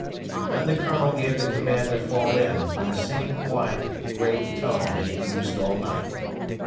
Then the Colonel gave the command to fall in in the same quiet, grave tone he had used all night.